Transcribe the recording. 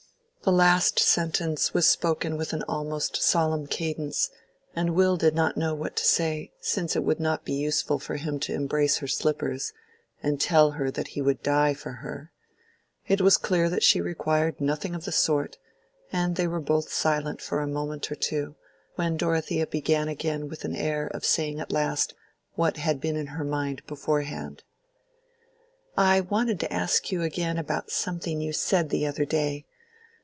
The last sentence was spoken with an almost solemn cadence, and Will did not know what to say, since it would not be useful for him to embrace her slippers, and tell her that he would die for her: it was clear that she required nothing of the sort; and they were both silent for a moment or two, when Dorothea began again with an air of saying at last what had been in her mind beforehand. "I wanted to ask you again about something you said the other day.